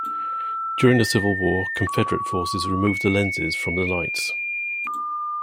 During the Civil War Confederate forces removed the lenses from the lights.